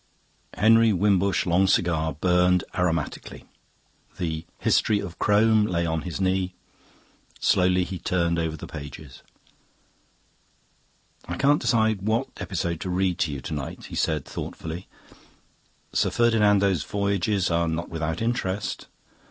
Henry Wimbush's long cigar burned aromatically. The "History of Crome" lay on his knee; slowly he turned over the pages. "I can't decide what episode to read you to night," he said thoughtfully. "Sir Ferdinando's voyages are not without interest.